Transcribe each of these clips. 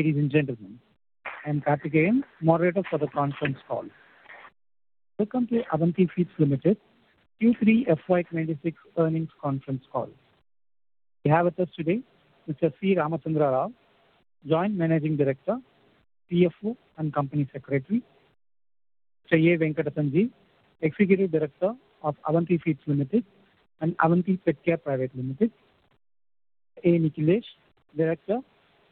Good evening, ladies and gentlemen, I'm Karthikeyan, moderator for the conference call. Welcome to Avanti Feeds Limited Q3 FY 2026 earnings conference call. We have with us today Mr. C. Ramachandra Rao, Joint Managing Director, CFO, and Company Secretary. Mr. A. Venkata Sanjeev, Executive Director of Avanti Feeds Limited and Avanti Petcare Private Limited. A. Nikhilesh, Director,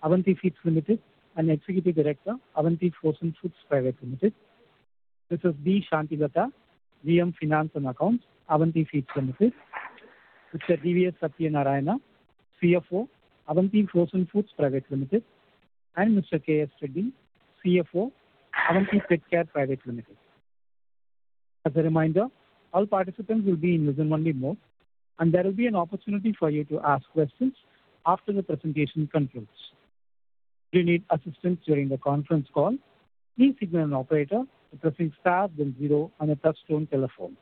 Avanti Feeds Limited and Executive Director, Avanti Frozen Foods Private Limited. Mrs. B. Santhi Latha, GM, Finance and Accounts, Avanti Feeds Limited. Mr. D.V.S. Satyanarayana, CFO, Avanti Frozen Foods Private Limited, and Mr. K.S. Reddy, CFO, Avanti Petcare Private Limited. As a reminder, all participants will be in listen only mode, and there will be an opportunity for you to ask questions after the presentation concludes. If you need assistance during the conference call, please signal an operator by pressing star then zero on your touchtone telephone.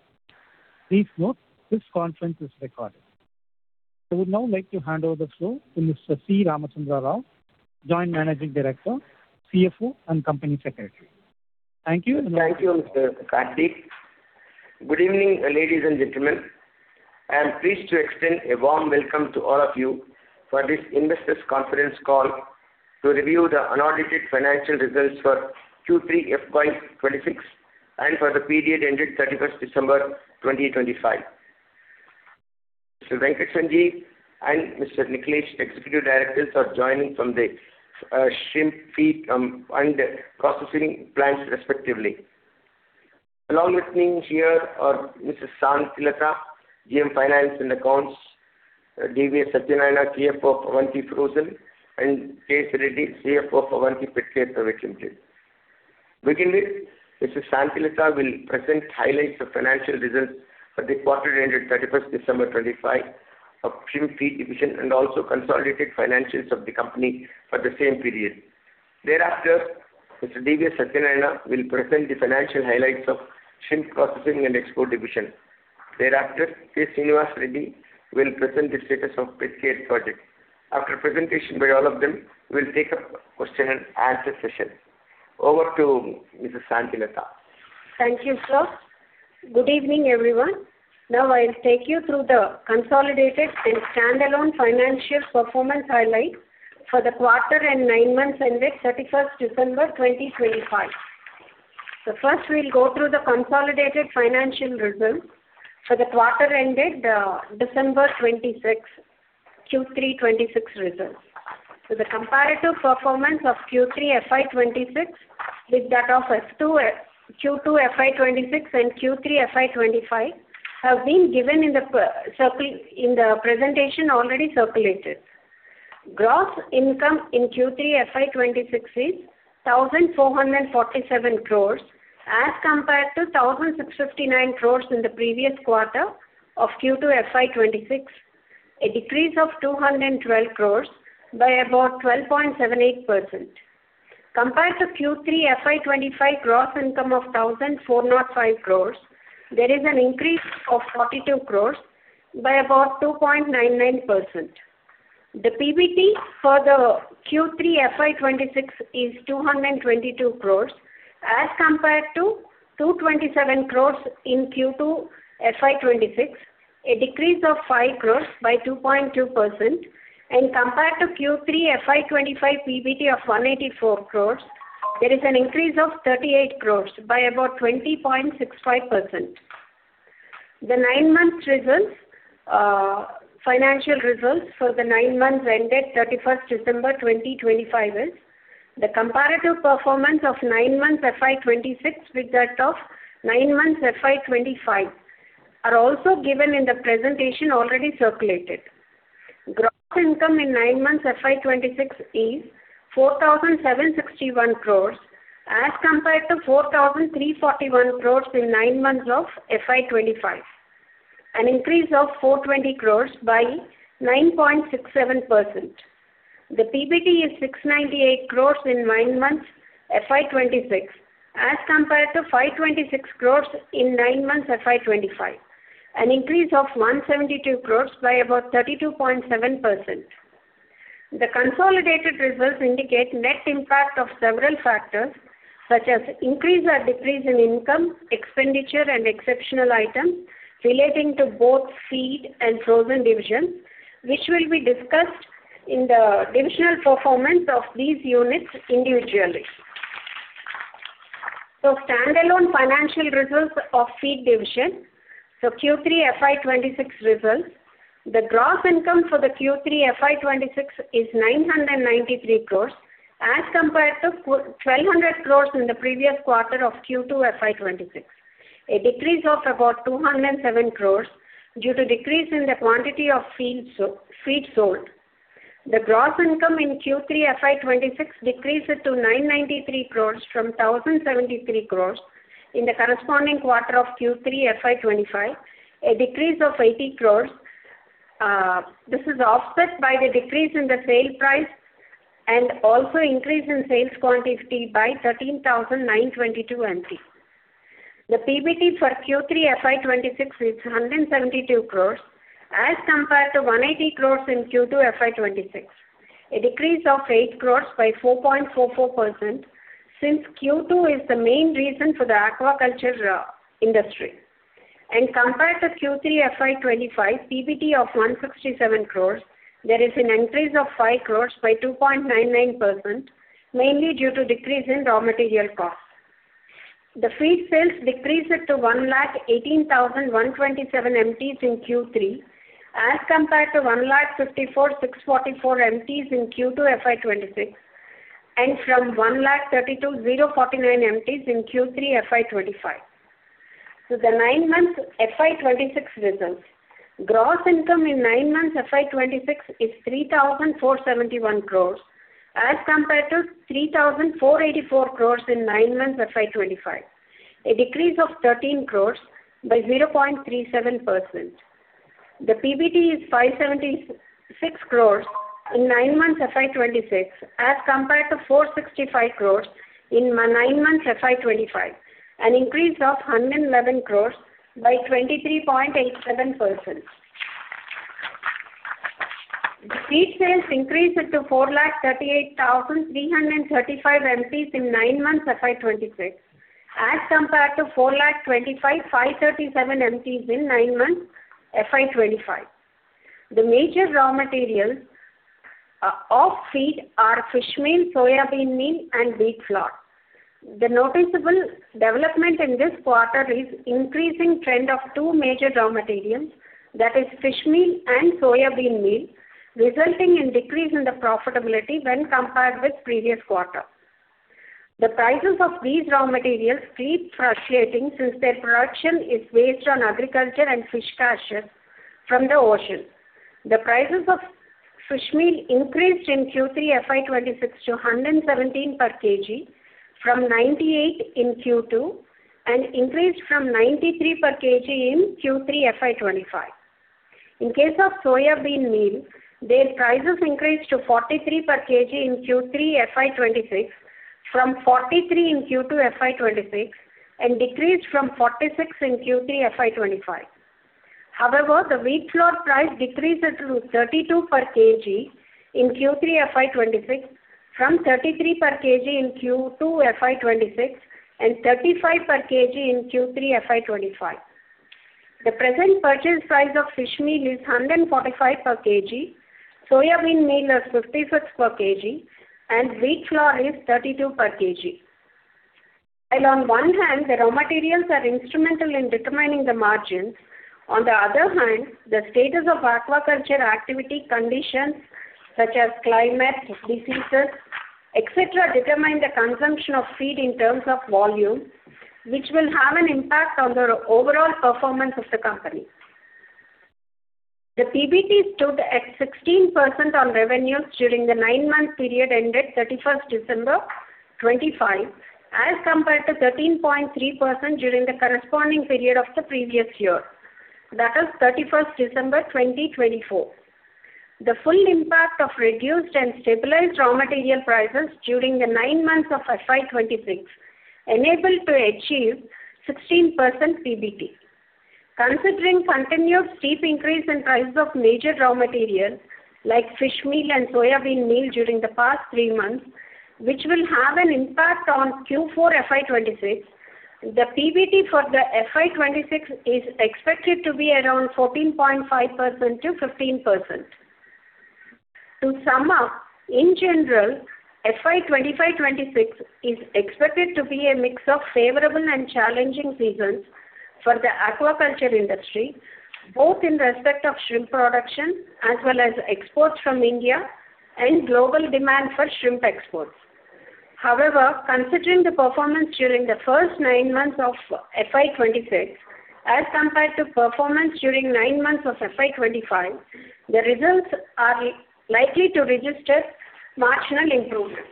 Please note, this conference is recorded. I would now like to hand over the floor to Mr. C. Ramachandra Rao, Joint Managing Director, CFO, and Company Secretary. Thank you. Thank you, Mr. Karthik. Good evening, ladies and gentlemen. I am pleased to extend a warm welcome to all of you for this investors conference call to review the unaudited financial results for Q3 FY 2026 and for the period ended 31st December 2025. Mr. Venkata Sanjeev and Mr. Nikhilesh, Executive Directors, are joining from the shrimp feed and processing plants respectively. Along with me here are Mrs. Santhi Latha, GM, Finance and Accounts, D.V.S. Satyanarayana, CFO of Avanti Frozen, and K.S. Reddy, CFO of Avanti Petcare Private Limited. To begin with, Mrs. Santhi Latha will present highlights of financial results for the quarter ended 31st December 25 of shrimp feed division and also consolidated financials of the company for the same period. Mr. D.V.S. Satyanarayana will present the financial highlights of shrimp processing and export division. K. Srinivas Reddy will present the status of Petcare project. After presentation by all of them, we'll take up question and answer session. Over to Mrs. Santhi Latha. Thank you, sir. Good evening, everyone. Now, I'll take you through the consolidated and standalone financial performance highlights for the quarter and nine months ended 31st December 2025. First we'll go through the consolidated financial results for the quarter ended December 2026, Q3 2026 results. The comparative performance of Q3 FY 2026 with that of Q2 FY 2026 and Q3 FY 2025 have been given in the presentation already circulated. Gross income in Q3 FY 2026 is 1,447 crores as compared to 1,659 crores in the previous quarter of Q2 FY 2026, a decrease of 212 crores by about 12.78%. Compared to Q3 FY 2025 gross income of 1,405 crores, there is an increase of 42 crores by about 2.99%. The PBT for the Q3 FY 2026 is 222 crores as compared to 227 crores in Q2 FY 2026, a decrease of 5 crores by 2.2%. Compared to Q3 FY 2025 PBT of 184 crores, there is an increase of 38 crores by about 20.65%. The nine months results, financial results for the nine months ended 31st December 2025 is the comparative performance of nine months FY 2026 with that of nine months FY 2025 are also given in the presentation already circulated. Gross income in nine months FY 2026 is 4,761 crores rupees as compared to 4,341 crores in nine months of FY 2025, an increase of 420 crores by 9.67%. The PBT is 698 crores in 9 months FY 2026 as compared to 526 crores in 9 months FY 2025, an increase of 172 crores by about 32.7%. The consolidated results indicate net impact of several factors such as increase or decrease in income, expenditure, and exceptional items relating to both feed and frozen divisions, which will be discussed in the divisional performance of these units individually. Standalone financial results of feed division. Q3 FY 2026 results. The gross income for the Q3 FY 2026 is 993 crores as compared to 1,200 crores in the previous quarter of Q2 FY 2026, a decrease of about 207 crores due to decrease in the quantity of feed sold. The gross income in Q3 FY 2026 decreased to 993 crores from 1,073 crores in the corresponding quarter of Q3 FY 2025, a decrease of 80 crores. This is offset by the decrease in the sale price and also increase in sales quantity by 13,922 MT. The PBT for Q3 FY 2026 is 172 crores as compared to 180 crores in Q2 FY 2026. A decrease of 8 crores by 4.44% since Q2 is the main reason for the aquaculture industry. Compared to Q3 FY 2025 PBT of 167 crores, there is an increase of 5 crores by 2.99%, mainly due to decrease in raw material costs. The feed sales decreased to 118,127 MTs in Q3 as compared to 154,644 MTs in Q2 FY 2026 and from 132,049 MTs in Q3 FY 2026. The nine months FY 2026 results. Gross income in nine months FY 2026 is 3,471 crores as compared to 3,484 crores in nine months FY 2025. A decrease of 13 crores by 0.37%. The PBT is 576 crores in nine months FY 2026 as compared to 465 crores in nine months FY 2025, an increase of 111 crores by 23.87%. The feed sales increased to 438,335 MTs in nine months FY 2026 as compared to 425,537 MTs in nine months FY 2025. The major raw materials of feed are fish meal, soybean meal and wheat flour. The noticeable development in this quarter is increasing trend of two major raw materials, that is fish meal and soybean meal, resulting in decrease in the profitability when compared with previous quarter. The prices of these raw materials keep fluctuating since their production is based on agriculture and fish catches from the ocean. The prices of fish meal increased in Q3 FY 2026 to 117 per kg from 98 in Q2 and increased from 93 per kg in Q3 FY 2025. In case of soybean meal, their prices increased to 43 per kg in Q3 FY 2026 from 43 in Q2 FY 2026 and decreased from 46 in Q3 FY 2025. The wheat flour price decreased to 32 per kg in Q3 FY 2026 from 33 per kg in Q2 FY 2026 and 35 per kg in Q3 FY 2025. The present purchase price of fish meal is 145 per kg, soybean meal is 56 per kg and wheat flour is 32 per kg. While on one hand, the raw materials are instrumental in determining the margins, on the other hand, the status of aquaculture activity conditions such as climate, diseases, et cetera, determine the consumption of feed in terms of volume, which will have an impact on the overall performance of the company. The PBT stood at 16% on revenues during the 9-month period ended December 31, 2025, as compared to 13.3% during the corresponding period of the previous year, that is December 31, 2024. The full impact of reduced and stabilized raw material prices during the 9 months of FY 2026 enabled to achieve 16% PBT. Considering continuous steep increase in prices of major raw materials like fish meal and soybean meal during the past three months, which will have an impact on Q4 FY 2026, the PBT for the FY 2026 is expected to be around 14.5%-15%. To sum up, in general, FY 2025/26 is expected to be a mix of favorable and challenging seasons for the aquaculture industry, both in respect of shrimp production as well as exports from India and global demand for shrimp exports. Considering the performance during the first nine months of FY 2026 as compared to performance during nine months of FY 2025, the results are likely to register marginal improvement.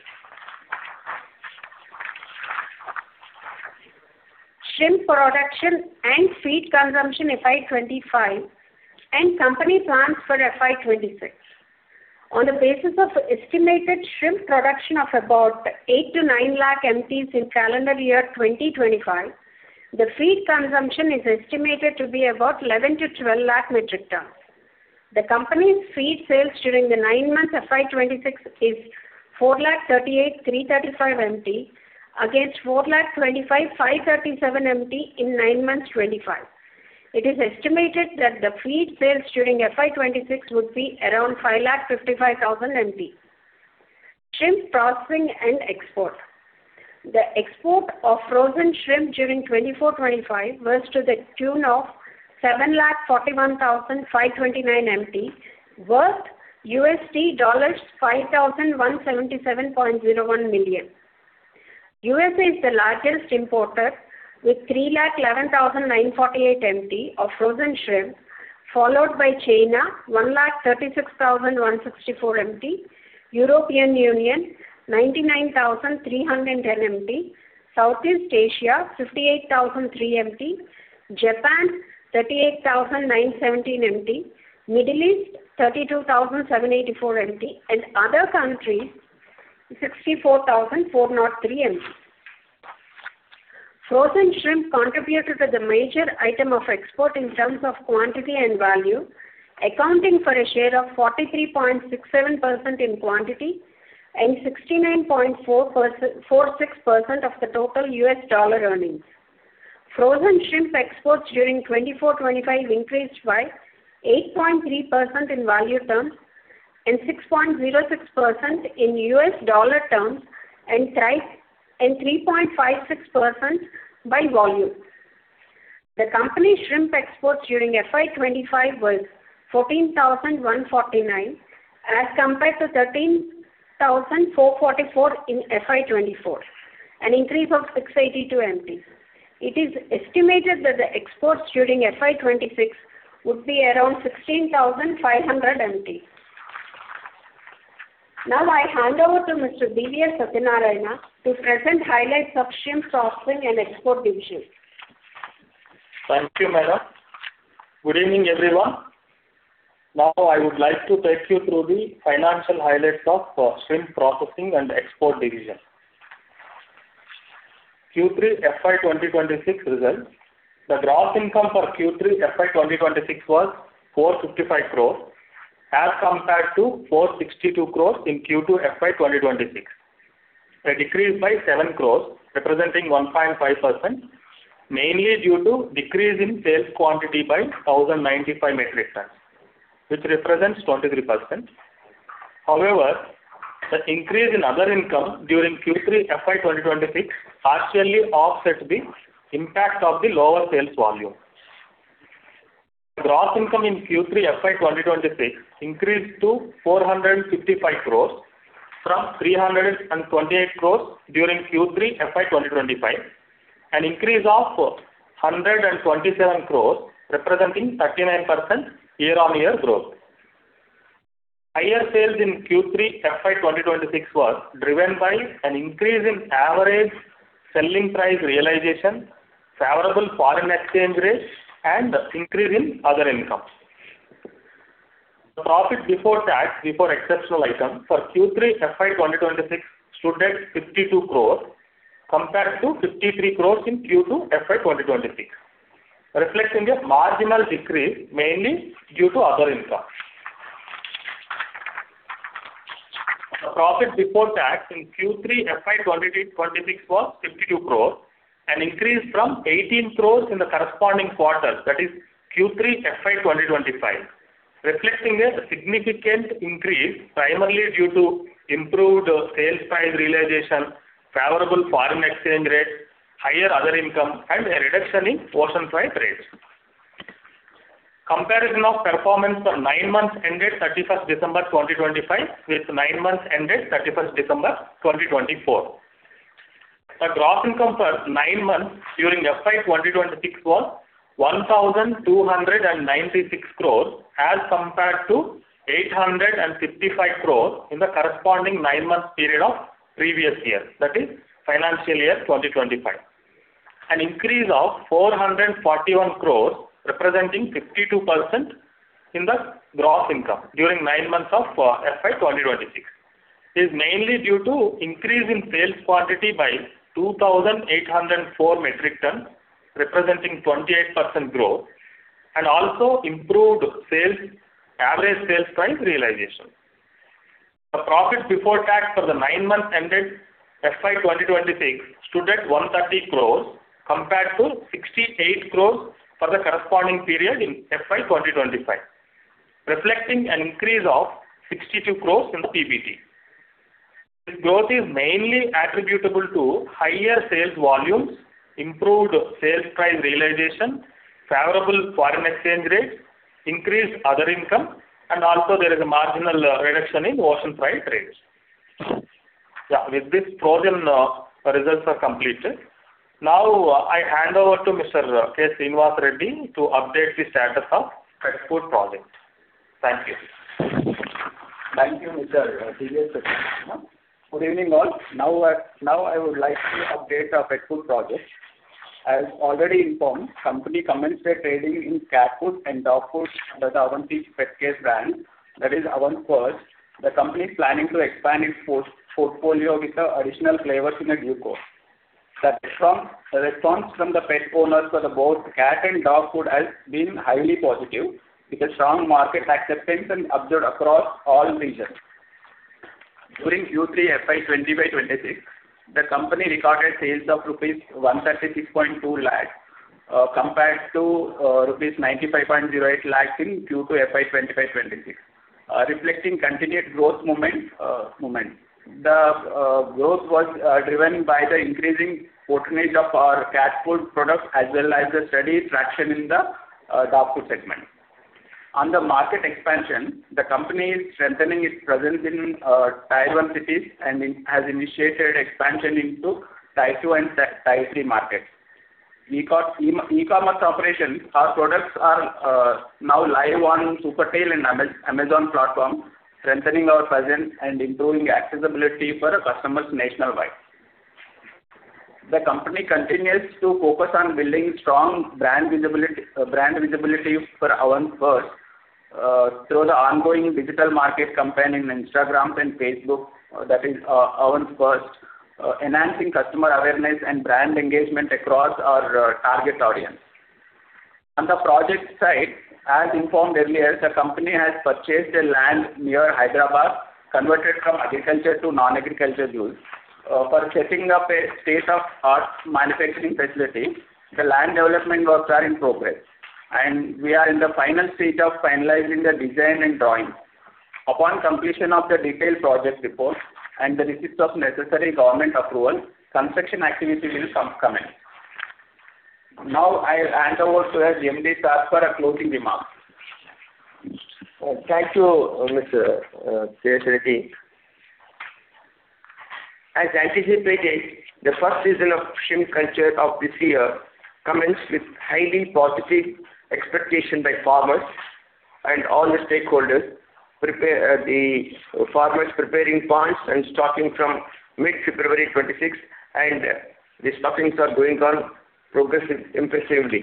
Shrimp production and feed consumption FY 2025 and company plans for FY 2026. On the basis of estimated shrimp production of about 8-9 lakh MTs in calendar year 2025, the feed consumption is estimated to be about 11-12 lakh metric ton. The company's feed sales during the 9 months FY 2026 is 4,38,335 MT against 4,25,537 MT in 9 months 2025. It is estimated that the feed sales during FY 2026 would be around 5,55,000 MT. Shrimp processing and export. The export of frozen shrimp during 2024/2025 was to the tune of 7,41,529 MT, worth USD dollars $5,177.01 million. U.S. is the largest importer with 311,948 MT of frozen shrimp, followed by China 136,164 MT, European Union 99,310 MT, Southeast Asia 58,003 MT, Japan 38,917 MT, Middle East 32,784 MT and other countries 64,403 MT. Frozen shrimp contributed to the major item of export in terms of quantity and value, accounting for a share of 43.67% in quantity and 69.46% of the total U.S. dollar earnings. Frozen shrimp exports during 2024/2025 increased by 8.3% in value terms and 6.06% in U.S. dollar terms and 3.56% by volume. The company shrimp exports during FY 2025 was 14,149, as compared to 13,444 in FY 2024, an increase of 682 MT. It is estimated that the exports during FY 2026 would be around 16,500 MT. Now I hand over to Mr. D.V.S. Satyanarayana to present highlights of shrimp processing and export division. Thank you, madam. Good evening, everyone. Now I would like to take you through the financial highlights of shrimp processing and export division. Q3 FY 2026 results. The gross income for Q3 FY 2026 was 455 crores as compared to 462 crores in Q2 FY 2026. A decrease by 7 crores, representing 1.5%, mainly due to decrease in sales quantity by 1,095 metric tons, which represents 23%. The increase in other income during Q3 FY 2026 partially offset the impact of the lower sales volume. The gross income in Q3 FY 2026 increased to 455 crores from 328 crores during Q3 FY 2025, an increase of 127 crores, representing 39% year-on-year growth. Higher sales in Q3 FY 2026 was driven by an increase in average selling price realization, favorable foreign exchange rates, and increase in other income. The profit before tax, before exceptional items for Q3 FY 2026 stood at 52 crores compared to 53 crores in Q2 FY 2026, reflecting a marginal decrease mainly due to other income. The profit before tax in Q3 FY 2026 was 52 crores, an increase from 18 crores in the corresponding quarter, that is Q3 FY 2025, reflecting a significant increase primarily due to improved sales price realization, favorable foreign exchange rate, higher other income, and a reduction in ocean freight rates. Comparison of performance for nine months ended 31st December 2025 with nine months ended 31st December 2024. The gross income for nine months during FY 2026 was 1,296 crores as compared to 855 crores in the corresponding nine-month period of previous year, that is FY 2025. An increase of 441 crores, representing 52% in the gross income during nine months of FY 2026, is mainly due to increase in sales quantity by 2,804 MT, representing 28% growth and also improved sales, average sales price realization. The profit before tax for the nine months ended FY 2026 stood at 130 crores compared to 68 crores for the corresponding period in FY 2025, reflecting an increase of 62 crores in the PBT. This growth is mainly attributable to higher sales volumes, improved sales price realization, favorable foreign exchange rates, increased other income, and also there is a marginal reduction in ocean freight rates. With this, frozen results are completed. Now I hand over to Mr. K. Srinivas Reddy to update the status of pet food project. Thank you. Thank you, Mr. D.V.S. Satyanarayana. Good evening, all. Now I would like to update our pet food project. As already informed, company commenced the trading in cat food and dog food under the Avanti Pet Care brand, that is Avant Furst. The company is planning to expand its food-portfolio with additional flavors in the due course. The response from the pet owners for the both cat and dog food has been highly positive with a strong market acceptance and observed across all regions. During Q3 FY 20 by 2026, the company recorded sales of rupees 136.2 lakh compared to rupees 95.08 lakhs in Q2 FY 2025-2026, reflecting continued growth moment. The growth was driven by the increasing patronage of our cat food products as well as the steady traction in the dog food segment. On the market expansion, the company is strengthening its presence in tier one cities and has initiated expansion into tier two and tier three markets. E-commerce operations, our products are now live on Supertails and Amazon platform, strengthening our presence and improving accessibility for our customers nationwide. The company continues to focus on building strong brand visibility for Avant Furst through the ongoing digital market campaign in Instagram and Facebook, that is Avant Furst, enhancing customer awareness and brand engagement across our target audience. On the project side, as informed earlier, the company has purchased a land near Hyderabad, converted from agriculture to non-agriculture use, for setting up a state-of-art manufacturing facility. The land development works are in progress, and we are in the final stage of finalizing the design and drawing. Upon completion of the detailed project report and the receipt of necessary government approval, construction activity will come in. Now I'll hand over to our GMD, sir, for a closing remark. Thank you, Mr. Srinivas Reddy. As anticipated, the first season of shrimp culture of this year commenced with highly positive expectation by farmers and all the stakeholders. The farmers preparing ponds and stocking from mid-February 26th, and the stockings are going on, progressing impressively.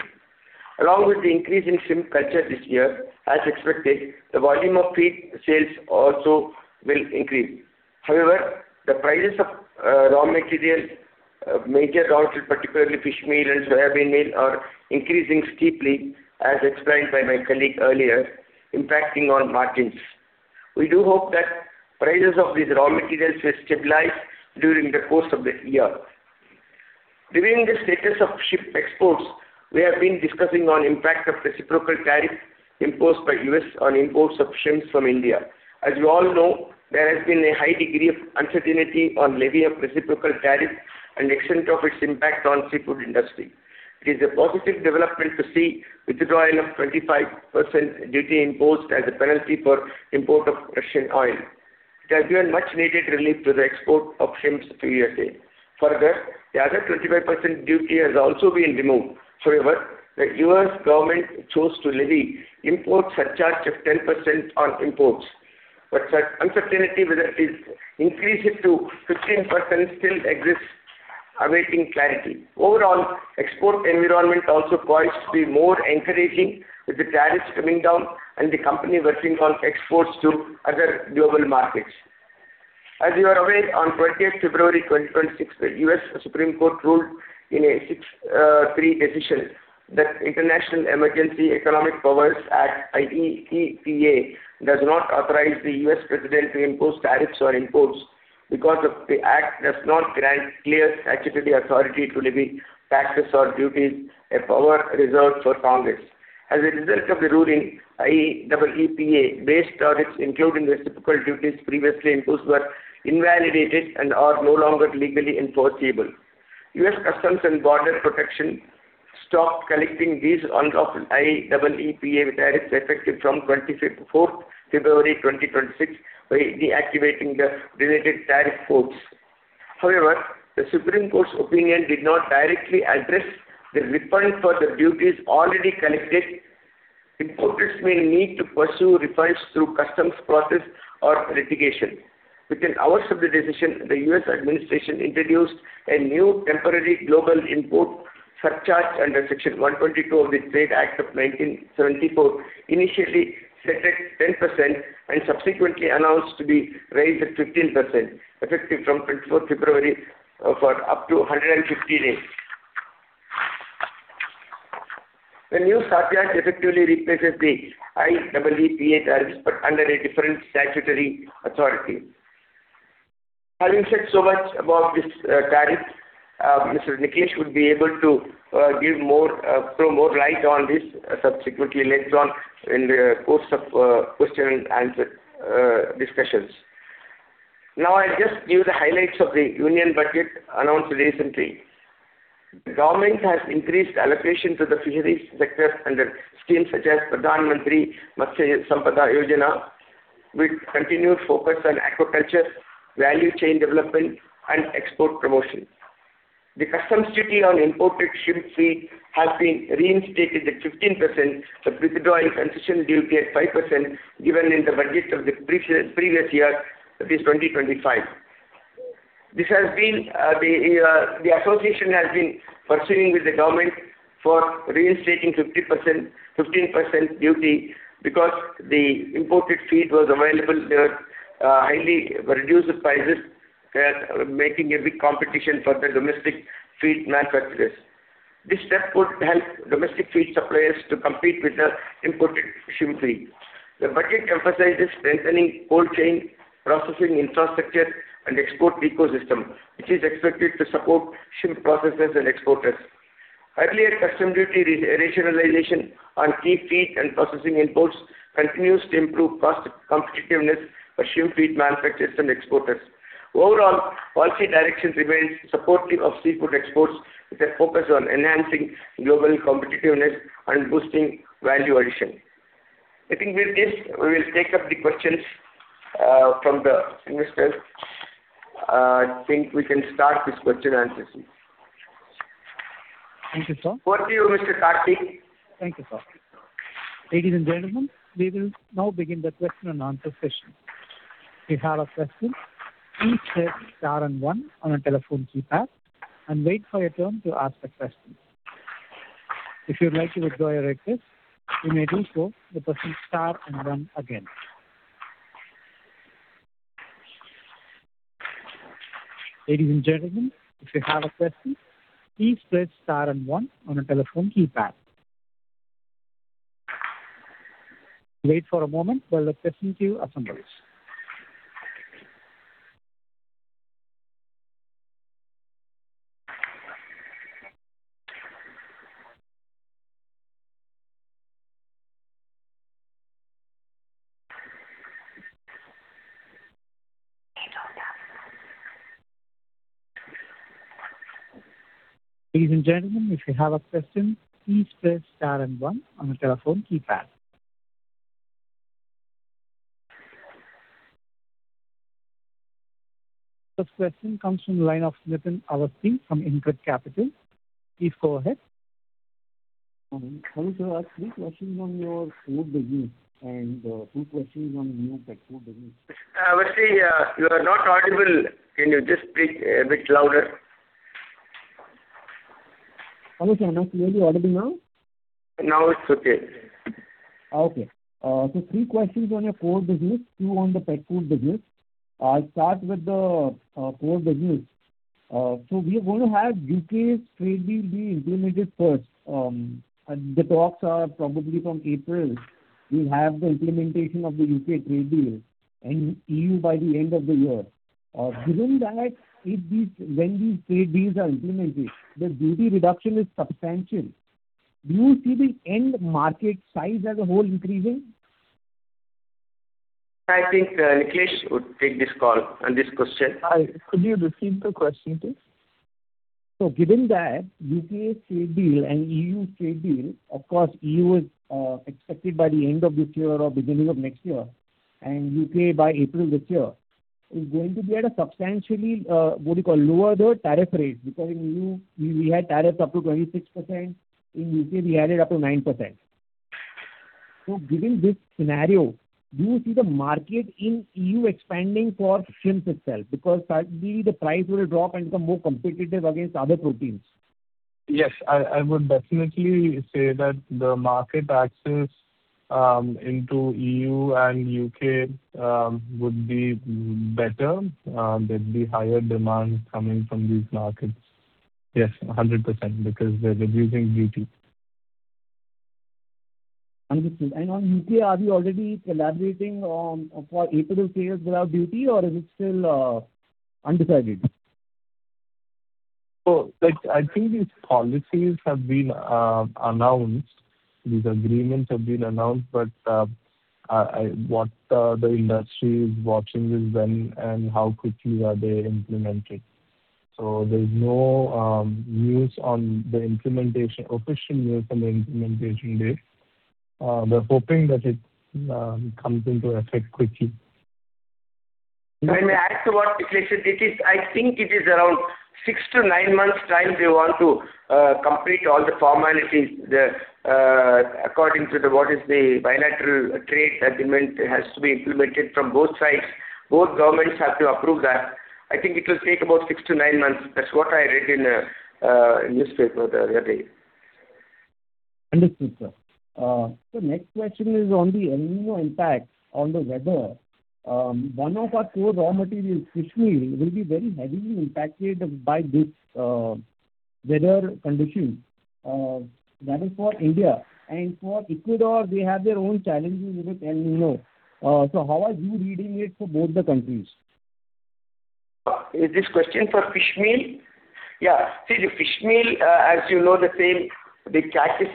Along with the increase in shrimp culture this year, as expected, the volume of feed sales also will increase. However, the prices of raw materials, major raw material, particularly fish meal and soybean meal, are increasing steeply as explained by my colleague earlier, impacting on margins. We do hope that prices of these raw materials will stabilize during the course of the year. Reviewing the status of shrimp exports, we have been discussing on impact of reciprocal tariff imposed by U.S. on imports of shrimps from India. As you all know, there has been a high degree of uncertainty on levy of reciprocal tariff and extent of its impact on seafood industry. It is a positive development to see withdrawal of 25% duty imposed as a penalty for import of Russian oil. It has given much needed relief to the export of shrimps to U.S. The other 25% duty has also been removed. The U.S. government chose to levy import surcharge of 10% on imports. Uncertainty whether it will increase it to 15% still exists, awaiting clarity. Overall, export environment also poised to be more encouraging with the tariffs coming down and the company working on exports to other global markets. As you are aware, on 20th February 2026, the U.S. Supreme Court ruled in a 6, 3 decision that International Emergency Economic Powers Act, IEEPA, does not authorize the U.S. President to impose tariffs on imports because of the act does not grant clear statutory authority to levy taxes or duties, a power reserved for Congress. As a result of the ruling, I-double E-P-A based tariffs, including reciprocal duties previously imposed, were invalidated and are no longer legally enforceable. U.S. Customs and Border Protection stopped collecting these unlawful I-double E-P-A tariffs effective from 25th, 4th February 2026 by deactivating the related tariff codes. However, the Supreme Court's opinion did not directly address the refund for the duties already collected. Importers may need to pursue refunds through customs process or litigation. Within hours of the decision, the U.S. administration introduced a new temporary global import surcharge under Section 122 of the Trade Act of 1974, initially set at 10% and subsequently announced to be raised to 15%, effective from 24th February, for up to 150 days. The new surcharge effectively replaces the IEEPA tariffs under a different statutory authority. Having said so much about this tariff, Mr. Nikhilesh would be able to give more, throw more light on this subsequently later on in the course of question and answer discussions. I'll just give the highlights of the Union Budget announced recently. The government has increased allocation to the fisheries sector under schemes such as Pradhan Mantri Matsya Sampada Yojana, with continued focus on aquaculture, value chain development, and export promotion. The customs duty on imported shrimp feed has been reinstated at 15% to withdraw concession duty at 5% given in the budget of the previous year, that is, 2025. This has been the association has been pursuing with the government for reinstating 15% duty because the imported feed was available at highly reduced prices, making a big competition for the domestic feed manufacturers. This step would help domestic feed suppliers to compete with the imported shrimp feed. The budget emphasizes strengthening cold chain, processing infrastructure and export ecosystem, which is expected to support shrimp processors and exporters. Earlier customs duty rationalization on key feed and processing imports continues to improve cost competitiveness for shrimp feed manufacturers and exporters. Overall, policy direction remains supportive of seafood exports, with a focus on enhancing global competitiveness and boosting value addition. I think with this, we will take up the questions from the investors. I think we can start with question answers. Thank you, sir. Over to you, Mr. Karthik. Thank you, sir. Ladies and gentlemen, we will now begin the question and answer session. If you have a question, please press star and one on your telephone keypad and wait for your turn to ask the question. If you would like to withdraw your request, you may do so by pressing star and one again. Ladies and gentlemen, if you have a question, please press star and one on your telephone keypad. Wait for a moment while the question queue assembles. Ladies and gentlemen, if you have a question, please press star and one on your telephone keypad. The first question comes from the line of Nitin Awasthi from InCred Capital. Please go ahead. Hello, sir. Three questions on your core business and two questions on your pet food business. Mr. Awasthi, you are not audible. Can you just speak a bit louder? Hello, sir. Am I clearly audible now? Now it's okay. Okay. Three questions on your core business, two on the pet food business. I'll start with the core business. We are going to have U.K.'s trade deal be implemented first. The talks are probably from April. We have the implementation of the U.K. trade deal and E.U. by the end of the year. Given that, when these trade deals are implemented, the duty reduction is substantial. Do you see the end market size as a whole increasing? I think, Nikhilesh would take this call on this question. Hi. Could you repeat the question, please? Given that U.K. trade deal and E.U. trade deal, of course, E.U. is expected by the end of this year or beginning of next year, and U.K. by April this year, is going to be at a substantially, what do you call, lower the tariff rate. Because in E.U. we had tariffs up to 26%, in U.K. we had it up to 9%. Given this scenario, do you see the market in E.U. expanding for shrimps itself? Because certainly the price will drop and become more competitive against other proteins. Yes. I would definitely say that the market access into EU and U.K. would be better. There'd be higher demand coming from these markets. Yes, 100%, because they're reducing duty. Understood. On U.K., are you already collaborating for April this year without duty or is it still undecided? Like I think these policies have been announced, these agreements have been announced, but what the industry is watching is when and how quickly are they implemented. There's no news on the implementation, official news on the implementation date. We're hoping that it comes into effect quickly. If I may add to what Nikhilesh said. I think it is around 6-9 months time they want to complete all the formalities. According to the what is the bilateral trade agreement has to be implemented from both sides. Both governments have to approve that. I think it will take about 6-9 months. That's what I read in a newspaper the other day. Understood, sir. Next question is on the El Niño impact on the weather. One of our core raw materials, fishmeal, will be very heavily impacted by this weather condition, that is for India. For Ecuador, they have their own challenges with El Niño. How are you reading it for both the countries? Is this question for fishmeal? Yeah. See, the fishmeal, as you know the same, the catches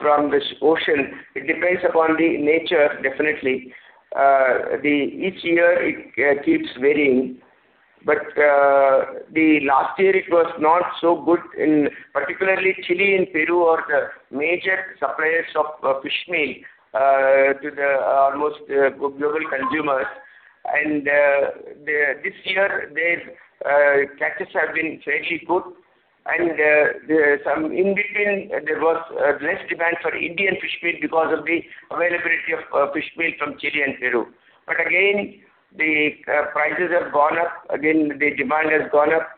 from this ocean, it depends upon the nature, definitely. The each year it keeps varying. The last year it was not so good in particularly Chile and Peru are the major suppliers of fishmeal to the almost global consumers. This year their catches have been fairly good. The some in between there was less demand for Indian fishmeal because of the availability of fishmeal from Chile and Peru. Again, the prices have gone up again, the demand has gone up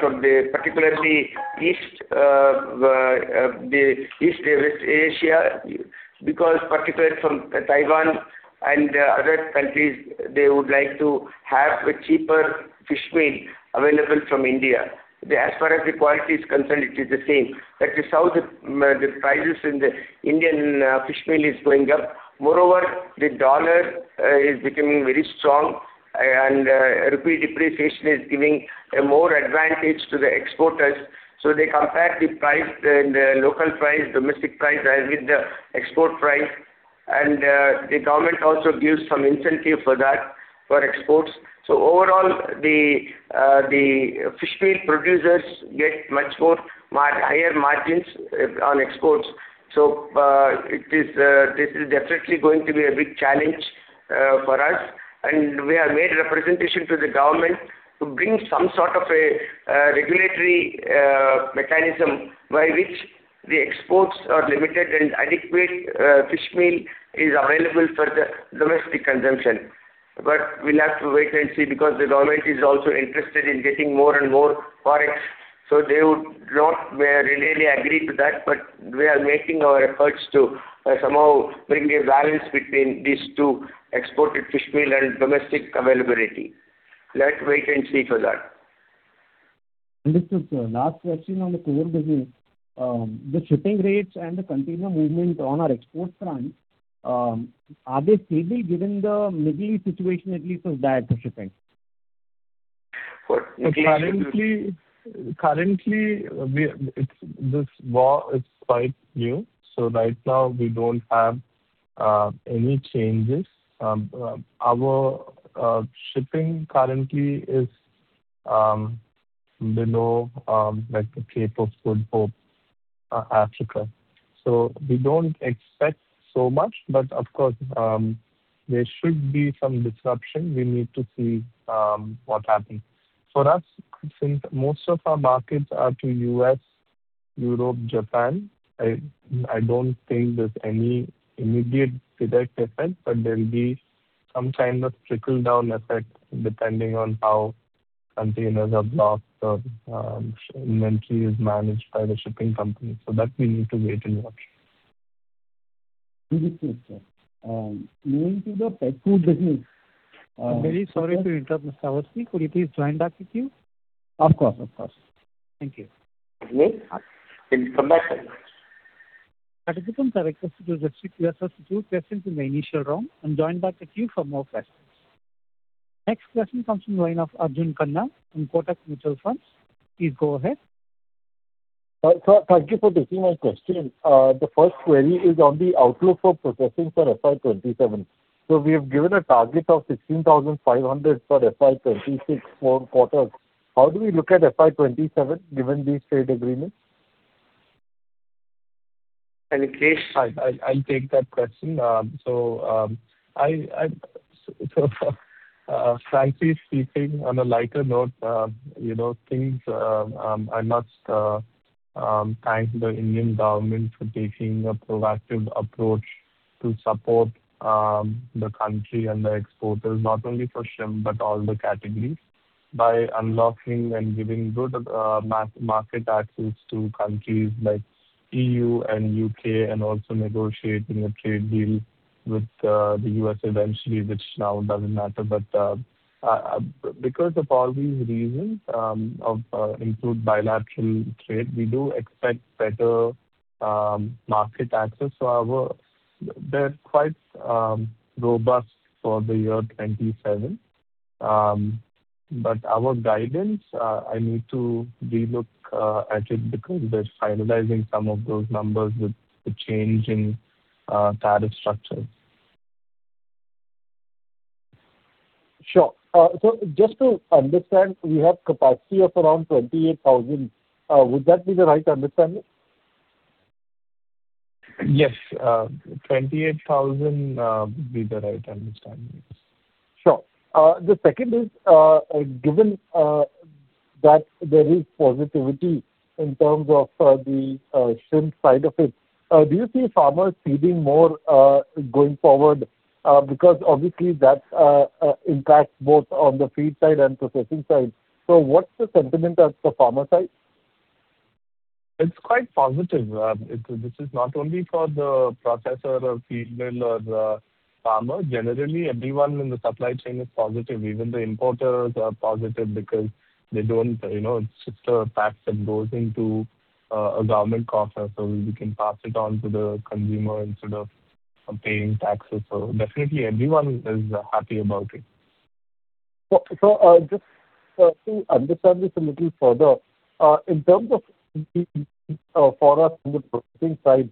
from the particularly east, the East Asia, because particularly from Taiwan and other countries, they would like to have a cheaper fishmeal available from India. As far as the quality is concerned, it is the same. That is how the prices in the Indian fishmeal is going up. Moreover, the dollar is becoming very strong and rupee depreciation is giving a more advantage to the exporters. They compare the price, the local price, domestic price, with the export price. The government also gives some incentive for that, for exports. Overall the fishmeal producers get much higher margins on exports. It is this is definitely going to be a big challenge. For us, we have made representation to the government to bring some sort of a regulatory mechanism by which the exports are limited and adequate fish meal is available for the domestic consumption. We'll have to wait and see because the government is also interested in getting more and more forex, so they would not really agree to that. We are making our efforts to somehow bring a balance between these two, exported fish meal and domestic availability. Let's wait and see for that. Understood, sir. Last question on the core business. The shipping rates and the container movement on our export front, are they stable given the Middle East situation at least has died for shipping? Currently, it's this war is quite new, so right now we don't have any changes. Our shipping currently is below like the Cape of Good Hope, Africa. We don't expect so much. Of course, there should be some disruption. We need to see what happens. For us, since most of our markets are to U.S., Europe, Japan, I don't think there's any immediate direct effect, but there'll be some kind of trickle-down effect depending on how containers are blocked or inventory is managed by the shipping company. That we need to wait and watch. Understood, sir. Moving to the pet food business, I'm very sorry to interrupt, Mr. Awasthi. Could you please join back the queue? Of course. Of course. Thank you. Yes. In four minutes. Aditya Kumar, I request you to respectfully substitute questions in the initial round and join back the queue for more questions. Next question comes from the line of Arjun Khanna from Kotak Mutual Fund. Please go ahead. Sir, thank you for taking my question. The first query is on the outlook for processing for FY 2027. We have given a target of 16,500 for FY 2026 four quarters. How do we look at FY 2027, given these trade agreements? Nikhilesh. I'll take that question. Frankly speaking, on a lighter note, you know, things, I must thank the Indian government for taking a proactive approach to support the country and the exporters, not only for shrimp but all the categories, by unlocking and giving good market access to countries like EU and U.K. and also negotiating a trade deal with the U.S. eventually, which now doesn't matter. Because of all these reasons, of improved bilateral trade, we do expect better market access. Our They're quite robust for the year 2027. Our guidance, I need to relook at it because they're finalizing some of those numbers with the change in tariff structures. Sure. Just to understand, we have capacity of around 28,000. Would that be the right understanding? Yes. 28,000 would be the right understanding. Yes. Sure. The second is, given that there is positivity in terms of the shrimp side of it, do you see farmers seeding more going forward? Because obviously that impacts both on the feed side and processing side. What's the sentiment at the farmer side? It's quite positive. This is not only for the processor or feed mill or the farmer. Generally, everyone in the supply chain is positive. Even the importers are positive because they don't, you know, it's just a tax that goes into a government coffers, so we can pass it on to the consumer instead of paying taxes. Definitely everyone is happy about it. Just to understand this a little further, in terms of the for us in the processing side,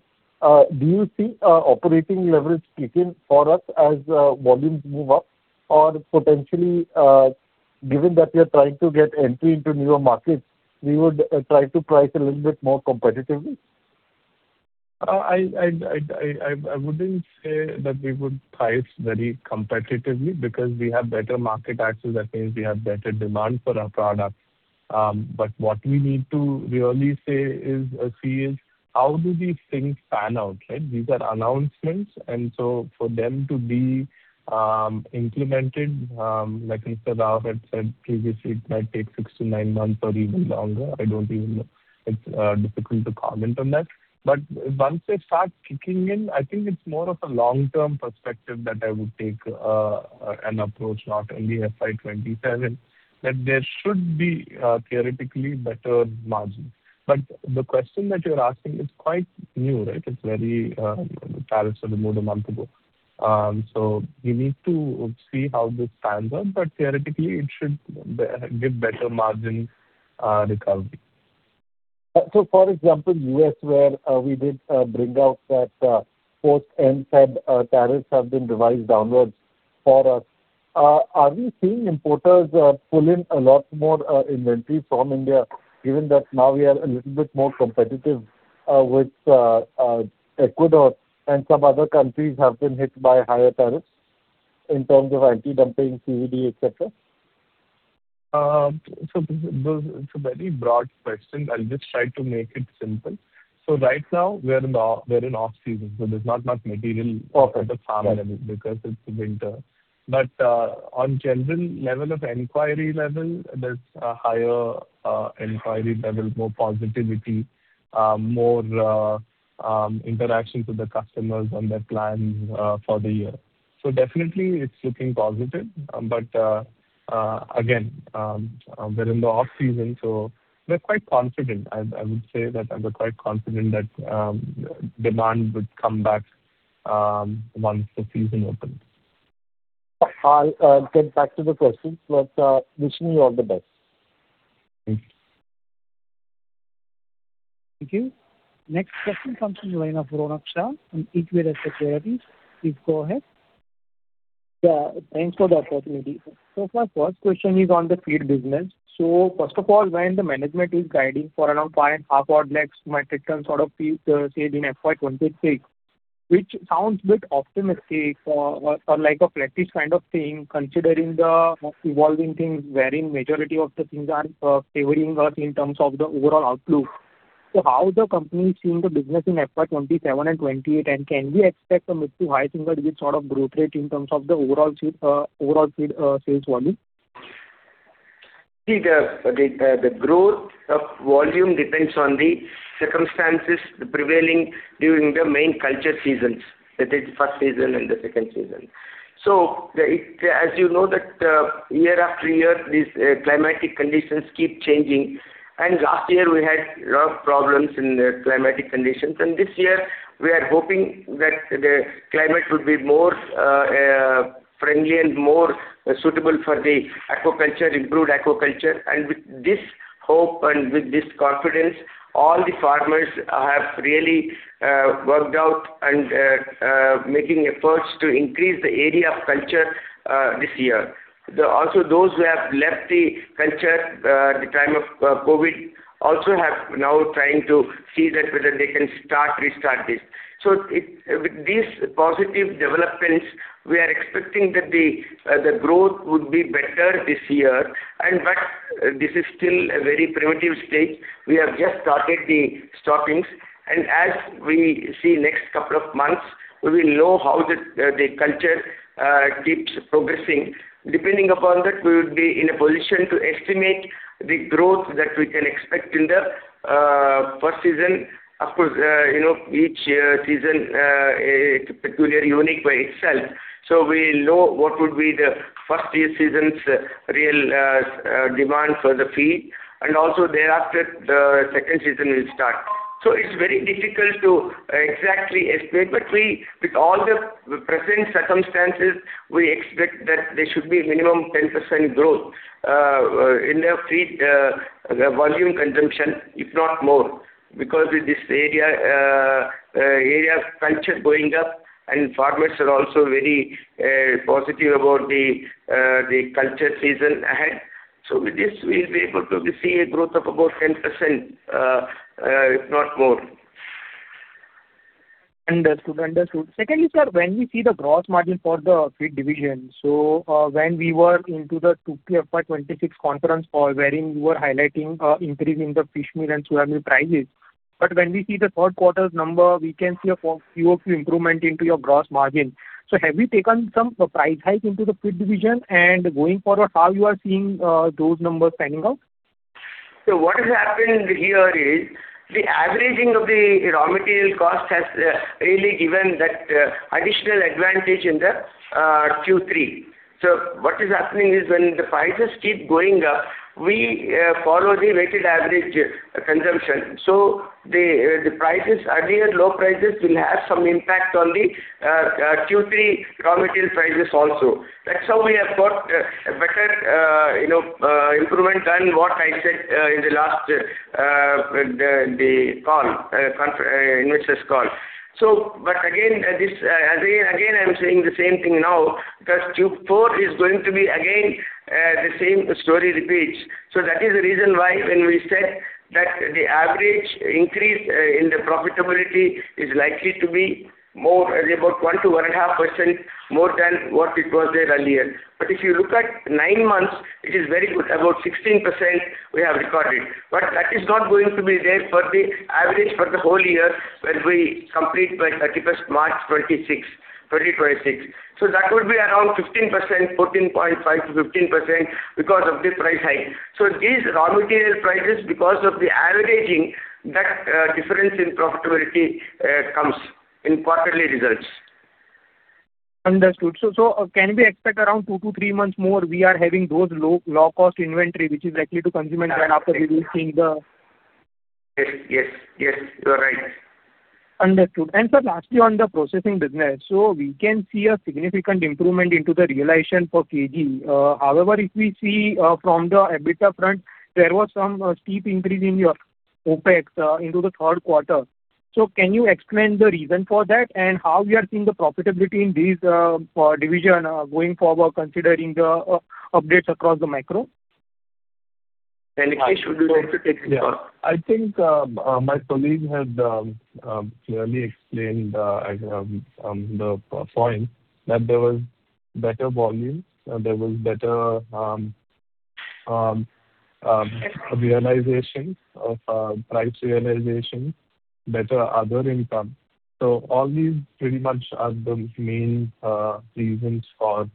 do you see operating leverage kick in for us as volumes move up? Or potentially, given that we are trying to get entry into newer markets, we would try to price a little bit more competitively? I wouldn't say that we would price very competitively because we have better market access. That means we have better demand for our product. What we need to really say is, see is how do these things pan out, right? These are announcements, and so for them to be implemented, like Mr. Rao had said previously, it might take 6 to 9 months or even longer. I don't even know. It's difficult to comment on that. Once they start kicking in, I think it's more of a long-term perspective that I would take an approach, not only FY 2027, that there should be theoretically better margin. The question that you're asking is quite new, right? It's very, the tariffs were removed 1 month ago. We need to see how this pans out, but theoretically, it should give better margin recovery. For example, U.S., where we did bring out that post anti-subsidy tariffs have been revised downwards for us. Are we seeing importers, pulling a lot more, inventory from India, given that now we are a little bit more competitive, with Ecuador and some other countries have been hit by higher tariffs in terms of anti-dumping, CVD, et cetera? This, it's a very broad question. I'll just try to make it simple. Right now, we're in off-season, so there's not much material- Okay. -at the farm level because it's winter. On general level of inquiry level, there's a higher inquiry level, more positivity, more interaction with the customers on their plans for the year. Definitely it's looking positive. Again, we're in the off-season, so we're quite confident. I would say that we're quite confident that demand would come back once the season opens. I'll get back to the questions, but wishing you all the best. Thank you. Thank you. Next question comes from the line of Ronak Shah from Equirus Securities. Please go ahead. Thanks for the opportunity. My first question is on the feed business. First of all, when the management is guiding for around 5.5 odd lakhs metric ton sort of feed sale in FY 2026, which sounds a bit optimistic or like a practice kind of thing, considering the evolving things wherein majority of the things are favoring us in terms of the overall outlook. How the company is seeing the business in FY 2027 and 2028, and can we expect a mid to high single-digit sort of growth rate in terms of the overall feed sales volume? The growth of volume depends on the circumstances prevailing during the main culture seasons, that is first season and the second season. As you know that, year after year, these climatic conditions keep changing, and last year we had lot of problems in the climatic conditions, and this year we are hoping that the climate would be more friendly and more suitable for the aquaculture, improved aquaculture. With this hope and with this confidence, all the farmers have really worked out and making efforts to increase the area of culture this year. Also those who have left the culture the time of COVID, also have now trying to see that whether they can start, restart this. With these positive developments, we are expecting that the growth would be better this year and but this is still a very primitive stage. We have just started the stockings and as we see next couple of months, we will know how the culture keeps progressing. Depending upon that, we would be in a position to estimate the growth that we can expect in the first season. Of course, you know, each year, season is peculiar, unique by itself, so we'll know what would be the first year season's real demand for the feed, and also thereafter the second season will start. It's very difficult to exactly estimate, but we, with all the present circumstances, we expect that there should be minimum 10% growth in the feed volume consumption, if not more. With this area of culture going up and farmers are also very positive about the culture season ahead. With this, we'll be able to see a growth of about 10%, if not more. Understood. Understood. Secondly, sir, when we see the gross margin for the feed division, when we were into the 2Q FY 2026 conference call, wherein you were highlighting increase in the fish meal and soybean meal prices. When we see the third quarter's number, we can see a few improvement into your gross margin. Have you taken some price hike into the feed division? Going forward, how you are seeing those numbers panning out? What has happened here is the averaging of the raw material cost has really given that additional advantage in the Q3. What is happening is when the prices keep going up, we follow the weighted average consumption. The prices, earlier low prices will have some impact on the Q3 raw material prices also. That's how we have got a better, you know, improvement than what I said in the last the call investors call. But again, this again, I'm saying the same thing now, because Q4 is going to be again, the same story repeats. That is the reason why when we said that the average increase in the profitability is likely to be more, about 1% to 1.5% more than what it was there earlier. If you look at nine months, it is very good. About 16% we have recorded. That is not going to be there for the average for the whole year when we complete by March 31, 2026. That could be around 15%, 14.5%-15% because of the price hike. These raw material prices, because of the averaging, that difference in profitability comes in quarterly results. Understood. Can we expect around two to three months more, we are having those low cost inventory which is likely to consume and then after we will see. Yes. Yes. Yes, you are right. Understood. Lastly, on the processing business. We can see a significant improvement into the realization for KG. However, if we see from the EBITDA front, there was some steep increase in your OpEx into the third quarter. Can you explain the reason for that and how we are seeing the profitability in these division going forward considering the updates across the macro? Nikhilesh, would you like to take this one? Yeah. I think my colleague had clearly explained the point that there was better volume, there was better realization of price realization, better other income. All these pretty much are the main reasons for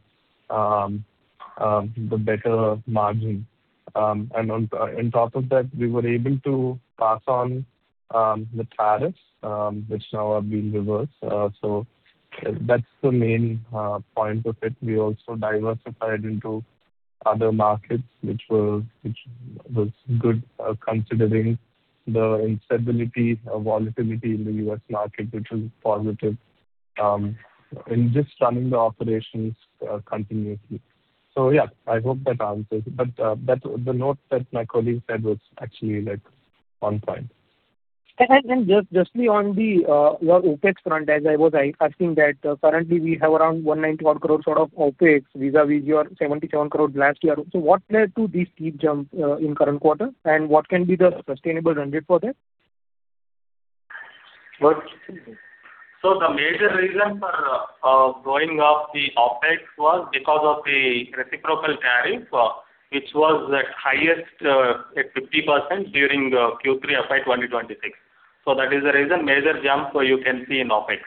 the better margin. On top of that, we were able to pass on the tariffs, which now have been reversed. That's the main point of it. We also diversified into other markets which were, which was good, considering the instability or volatility in the U.S. market, which was positive in just running the operations continuously. Yeah, I hope that answers. The note that my colleague said was actually, like, on point. Just on the your OpEx front, as I was asking that, currently we have around 191 crores sort of OpEx vis-à-vis your 77 crores last year. What led to this steep jump in current quarter, and what can be the sustainable run rate for that? The major reason for going up the OpEx was because of the reciprocal tariff, which was the highest at 50% during Q3 FY 2026. That is the reason, major jump, so you can see in OpEx.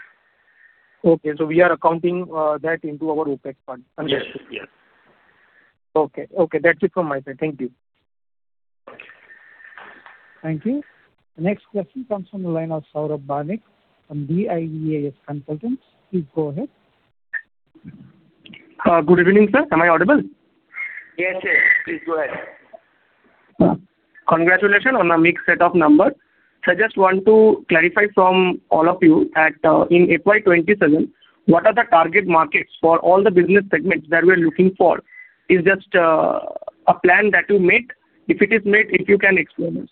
Okay. We are accounting that into our OpEx part. Yes. Yes. Okay. Okay. That's it from my side. Thank you. Thank you. Thank you. Next question comes from the line of Saurabh Bhanek from VIEAS Consultants. Please go ahead. Good evening, sir. Am I audible? Yes, yes. Please go ahead. Congratulations on a mixed set of numbers. I just want to clarify from all of you that, in FY 2027, what are the target markets for all the business segments that we're looking for? Is just a plan that you made? If it is made, if you can explain this?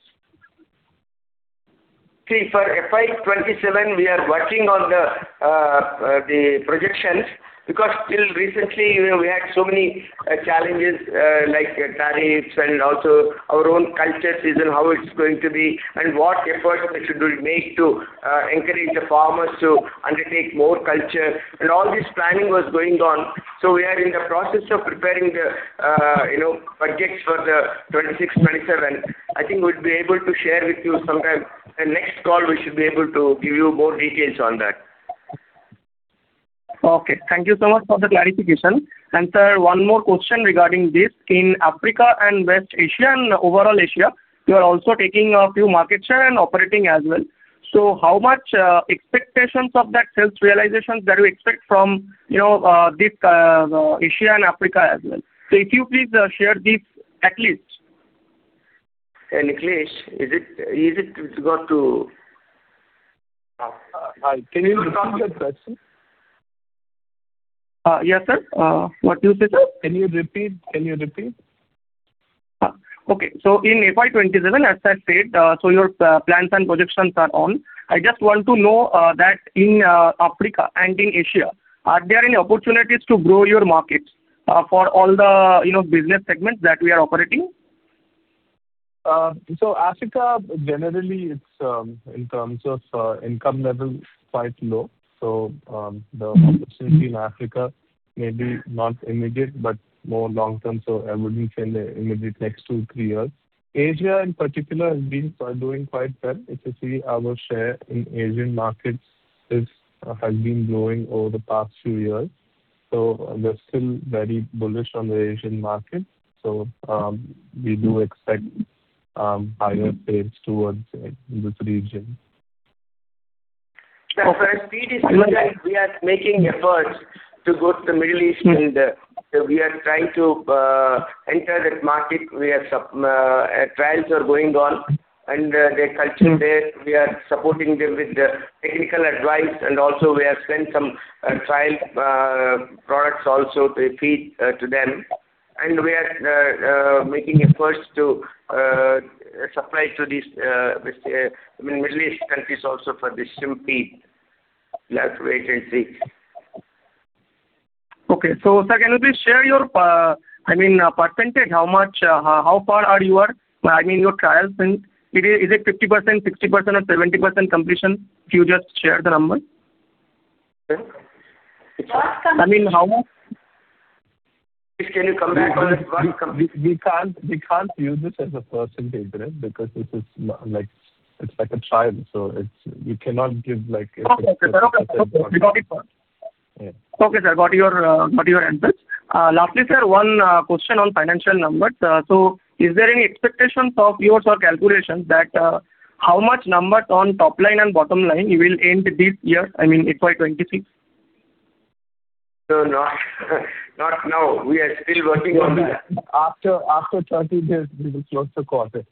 For FY 2027, we are working on the projections, because till recently, you know, we had so many challenges, like tariffs and also our own culture season, how it's going to be, and what efforts we should be make to encourage the farmers to undertake more culture. All this planning was going on. We are in the process of preparing the, you know, budgets for the 2026, 2027. I think we'd be able to share with you sometime. The next call, we should be able to give you more details on that. Okay. Thank you so much for the clarification. Sir, one more question regarding this. In Africa and West Asia and overall Asia, you are also taking a few market share and operating as well. How much expectations of that sales realization that you expect from, you know, this Asia and Africa as well? If you please, share these at least. Nikhilesh, is it good to... Hi. Can you repeat the question? Yes, sir. What you said, sir? Can you repeat? Okay. In FY 2027, as I said, so your plans and projections are on. I just want to know that in Africa and in Asia, are there any opportunities to grow your markets for all the, you know, business segments that we are operating? Africa generally it's in terms of income level, quite low. The opportunity in Africa may be not immediate, but more long-term, so I wouldn't say in the immediate next two, three years. Asia in particular has been doing quite well. If you see our share in Asian markets is has been growing over the past few years, so we're still very bullish on the Asian market. We do expect higher sales towards this region. For speed is concerned, we are making efforts to go to the Middle East and we are trying to enter that market. Trials are going on and the culture there, we are supporting them with the technical advice and also we have sent some trial products also to feed to them. We are making efforts to supply to these, this, I mean, Middle East countries also for this shrimp feed, like wait and see. Okay. sir, can you please share your, I mean, percentage, how much, how far are your, I mean, your trials in? Is it 50%, 60% or 70% completion? If you just share the number. Sir? I mean, how much? Nikhilesh, can you come back on this one? We can't use this as a percentage, right? Because this is like it's like a trial, so we cannot give. Okay, sir. Okay. Yeah. Okay, sir. Got your answers. Lastly, sir, one question on financial numbers. Is there any expectations of yours or calculations that how much numbers on top line and bottom line you will end this year, I mean, FY 2026? Not now. We are still working on that. After 30 days we will close the quarter.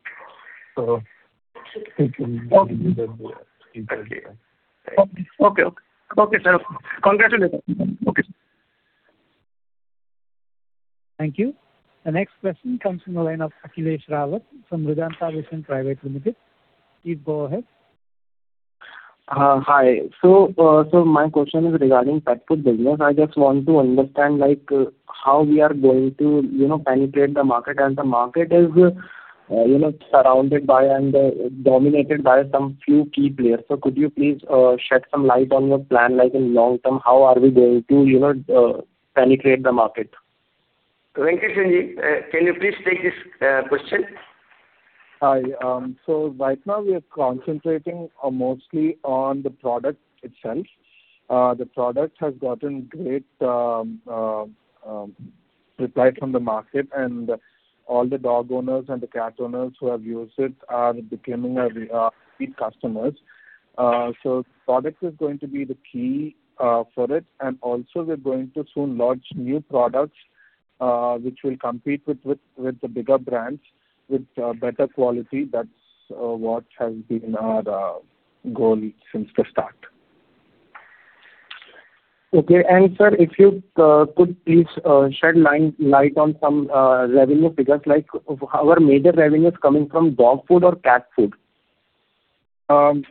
We can- Okay. Exactly, yeah. Okay. Okay. Okay, sir. Congratulations. Okay. Thank you. The next question comes from the line of Akhilesh Rawat from Ridhanta Vision Private Limited. Please go ahead. Hi. My question is regarding pet food business. I just want to understand, like, how we are going to, you know, penetrate the market. The market is, you know, surrounded by and dominated by some few key players. Could you please shed some light on your plan, like in long term, how are we going to, you know, penetrate the market? Venkata Sanjeev, can you please take this question? Hi. Right now we are concentrating mostly on the product itself. The product has gotten great reply from the market, and all the dog owners and the cat owners who have used it are becoming a repeat customers. Product is going to be the key for it. Also we're going to soon launch new products, which will compete with the bigger brands, with better quality. That's what has been our goal since the start. Okay. sir, if you could please shed light on some revenue figures, like our major revenue is coming from dog food or cat food? Dog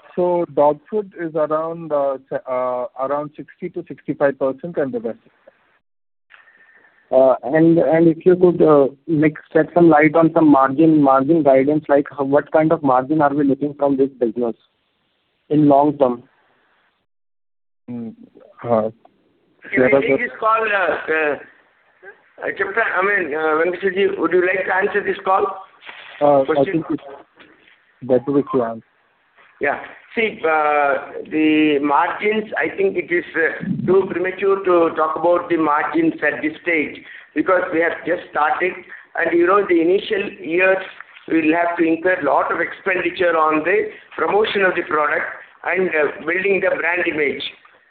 food is around 60%-65% and the rest. If you could, shed some light on some margin guidance, what kind of margin are we looking from this business in long term? Mm. Uh, whether- Can I take this call, I mean, Venkata Sanjeev, would you like to answer this call? I think it's better with you answer. See, the margins, I think it is too premature to talk about the margins at this stage because we have just started and, you know, the initial years we'll have to incur lot of expenditure on the promotion of the product and building the brand image.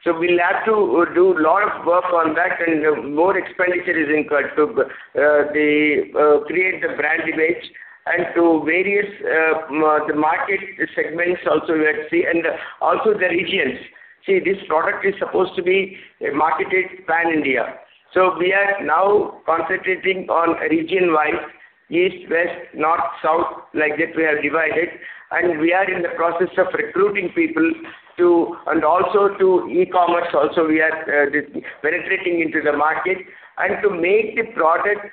We'll have to do lot of work on that and more expenditure is incurred to create the brand image and to various market segments also we have to see, and also the regions. See, this product is supposed to be marketed pan-India. We are now concentrating on region-wise, east, west, north, south, like that we have divided, and we are in the process of recruiting people to and also to e-commerce also we are penetrating into the market. To make the product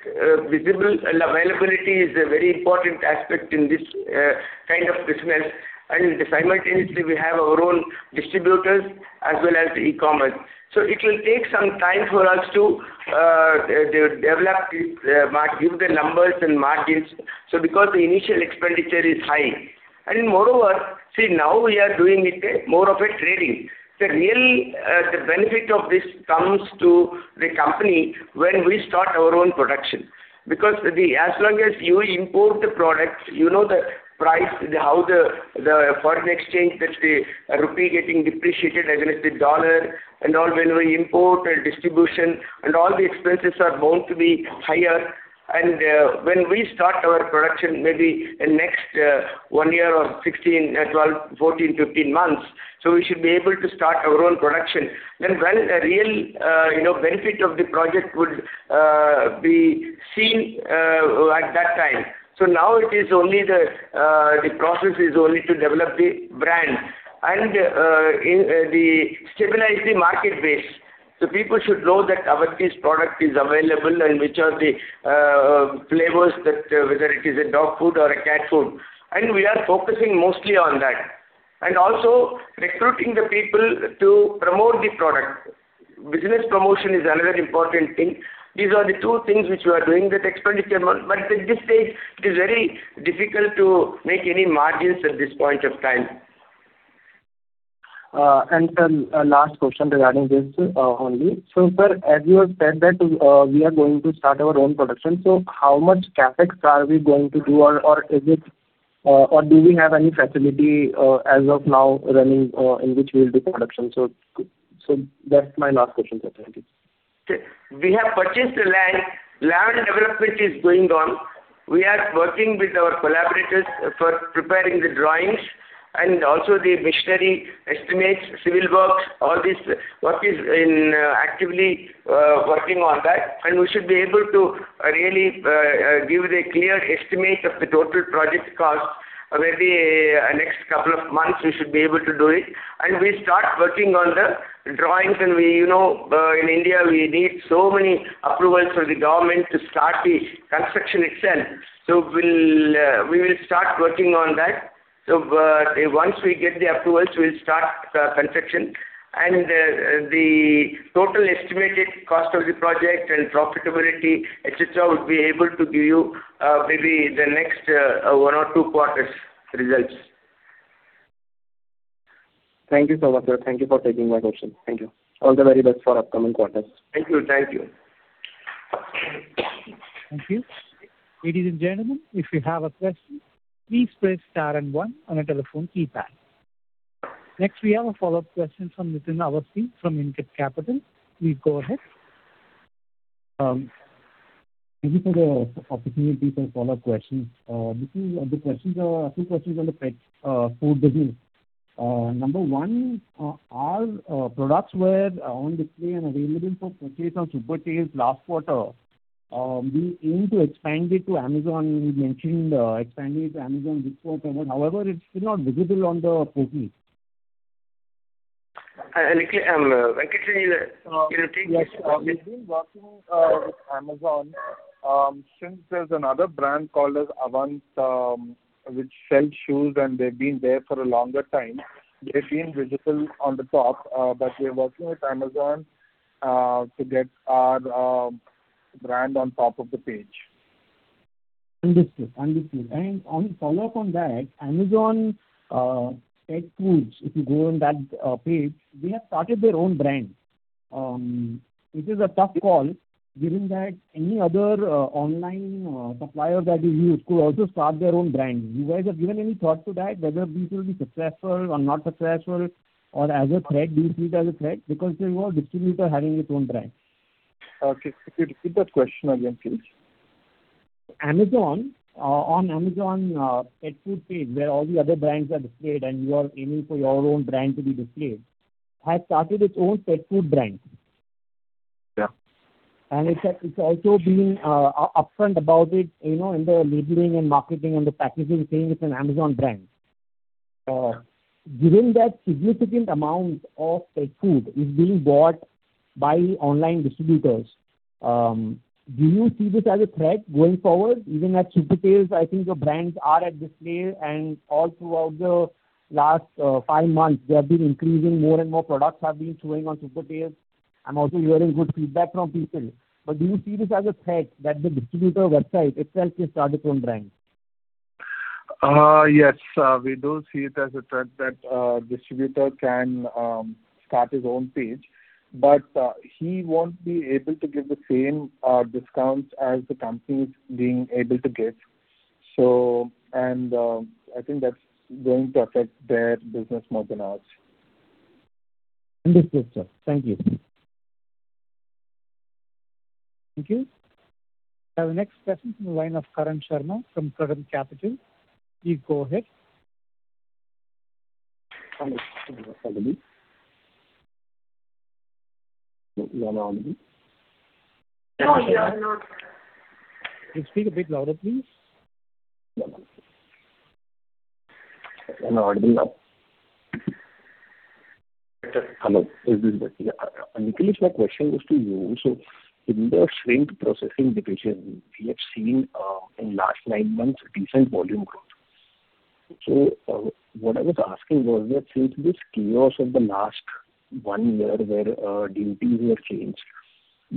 visible, availability is a very important aspect in this kind of business. Simultaneously we have our own distributors as well as e-commerce. It will take some time for us to develop this, give the numbers and margins. Because the initial expenditure is high. Moreover, see now we are doing it more of a trading. The real benefit of this comes to the company when we start our own production. As long as you import the product, you know the price, how the foreign exchange, that the rupee getting depreciated as well as the dollar, and all when we import and distribution and all the expenses are going to be higher. When we start our production, maybe in next 1 year or 16, 12, 14, 15 months, we should be able to start our own production. When the real, you know, benefit of the project would be seen at that time. Now it is only the process is only to develop the brand and stabilize the market base. People should know that Avanti's product is available and which are the flavors that whether it is a dog food or a cat food. We are focusing mostly on that. Also recruiting the people to promote the product. Business promotion is another important thing. These are the 2 things which we are doing with expenditure. At this stage, it is very difficult to make any margins at this point of time. Last question regarding this only. Sir, as you have said that, we are going to start our own production, so how much CapEx are we going to do or is it, or do we have any facility as of now running in which we will do production? That's my last question, sir. Thank you. We have purchased the land. Land development is going on. We are working with our collaborators for preparing the drawings and also the machinery estimates, civil works, all this work is in actively working on that. We should be able to really give the clear estimate of the total project cost. Maybe, next couple of months we should be able to do it. We'll start working on the drawings and we, you know, in India, we need so many approvals from the government to start the construction itself. We'll, we will start working on that. Once we get the approvals, we'll start the construction. The total estimated cost of the project and profitability, et cetera, we'll be able to give you maybe the next one or two quarters results. Thank you so much, sir. Thank you for taking my question. Thank you. All the very best for upcoming quarters. Thank you. Thank you. Thank you. Ladies and gentlemen, if you have a question, please press star and one on your telephone keypad. Next, we have a follow-up question from Nitin Awasthi from InCred Capital. Please go ahead. Thank you for the opportunity for follow-up question. Nitin, the questions are a few questions on the pet food business. Number one, our products were on display and available for purchase on Supertails last quarter. We aim to expand it to Amazon. You mentioned expanding it to Amazon before, however, it's still not visible on the portal. Nikhilesh, Venkat, can you know, take this one. Yes. We've been working with Amazon. Since there's another brand called as Avant, which sells shoes, and they've been there for a longer time. They've been visible on the top, but we are working with Amazon to get our brand on top of the page. Understood. Understood. On follow-up on that, Amazon pet foods, if you go on that page, they have started their own brand, which is a tough call given that any other online supplier that you use could also start their own brand. You guys have given any thought to that, whether this will be successful or not successful or as a threat, do you see it as a threat? Because, you know, distributor having its own brand. Okay. Could you repeat that question again, please? Amazon. on Amazon, pet food page, where all the other brands are displayed, and you are aiming for your own brand to be displayed, has started its own pet food brand. Yeah. It's also been upfront about it, you know, in the labeling and marketing and the packaging saying it's an Amazon brand. Given that significant amount of pet food is being bought by online distributors, do you see this as a threat going forward? Even at Supertails, I think your brands are at display and all throughout the last five months, they have been increasing. More and more products have been showing on Supertails. I'm also hearing good feedback from people. Do you see this as a threat that the distributor website itself has started its own brand? Yes, we do see it as a threat that a distributor can start his own page, but he won't be able to give the same discounts as the company is being able to give. I think that's going to affect their business more than ours. Understood, sir. Thank you. Thank you. I have the next question from the line of Karan Sharma from Current Capital. Please go ahead. Hello. Am I audible? You are audible. No, you are not. Can you speak a bit louder, please? Am I audible now? Hello. Is this better? Yeah. Nikhilesh, my question was to you. In the shrimp processing division, we have seen in last 9 months decent volume growth. What I was asking was that since this chaos of the last 1 year where duties were changed,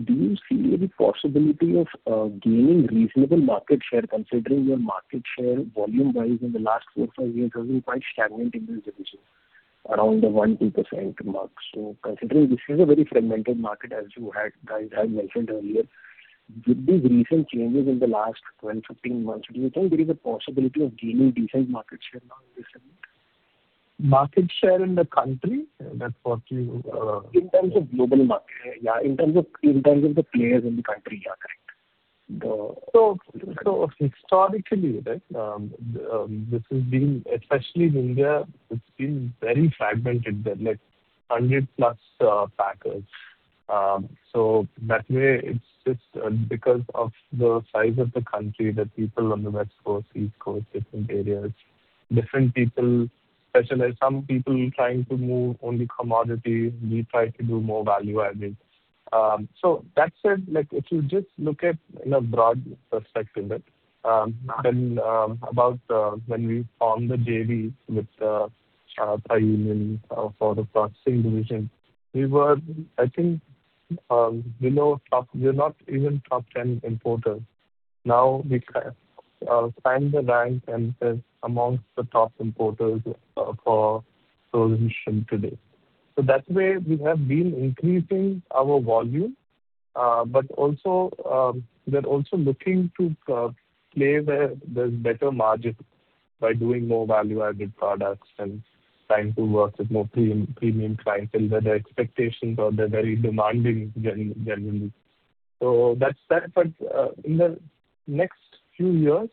do you see any possibility of gaining reasonable market share, considering your market share volume-wise in the last 4-5 years has been quite stagnant in this division, around the 1%-2% mark. Considering this is a very fragmented market as you had, guys had mentioned earlier, with these recent changes in the last 12-15 months, do you think there is a possibility of gaining decent market share now in this segment? Market share in the country? That's what you. In terms of global market. Yeah, in terms of the players in the country. Yeah, correct. Historically, right, this has been, especially in India, it's been very fragmented. There are like 100+ packers. That way it's just because of the size of the country that people on the West Coast, East Coast, different areas, different people specialize. Some people trying to move only commodity. We try to do more value added. That said, like if you just look at in a broad perspective, right, about when we formed the JV with Thai Union for the processing division, we were, I think, below we're not even top 10 importers. Now we've climbed the ranks and is amongst the top importers for those mission today. That way we have been increasing our volume. Also, we're also looking to play where there's better margin by doing more value-added products and trying to work with more premium clientele, where their expectations are, they're very demanding generally. That's that. In the next few years,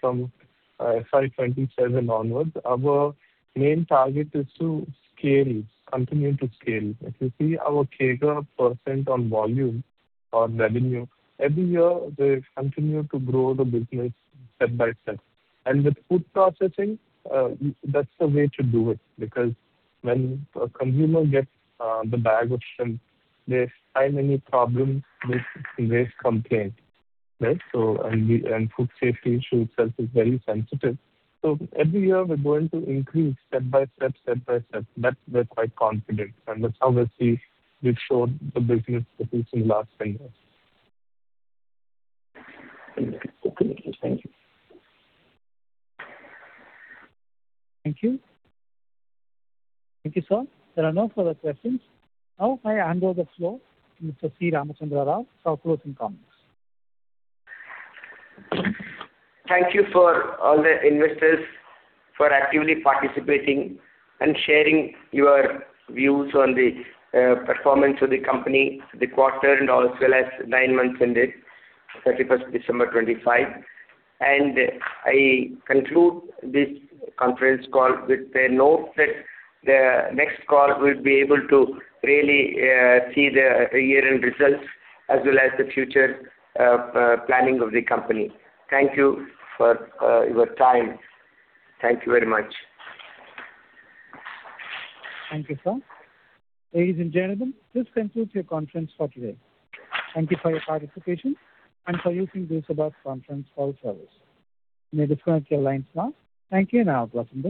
from FY 2027 onwards, our main target is to scale, continue to scale. If you see our CAGR % on volume or revenue, every year we've continued to grow the business step by step. And with food processing, that's the way to do it, because when a consumer gets the bag of shrimp, they find any problem, they raise complaint, right? And food safety issue itself is very sensitive. Every year we're going to increase step by step. We're quite confident, and that's how we see, we've showed the business growth in last 10 years. Okay. Okay. Thank you. Thank you. Thank you, sir. There are no further questions. Now I hand over the floor to Mr. C. Ramachandra Rao for closing comments. Thank you for all the investors for actively participating and sharing your views on the performance of the company, the quarter and also as nine months ended 31st December 2025. I conclude this conference call with a note that the next call we'll be able to really see the year-end results as well as the future planning of the company. Thank you for your time. Thank you very much. Thank you, sir. Ladies and gentlemen, this concludes your conference for today. Thank you for your participation and for using this above conference call service. You may disconnect your lines now. Thank you, and have a blessed day.